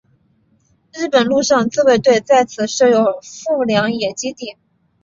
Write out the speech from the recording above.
日本陆上自卫队在此设有上富良野基地。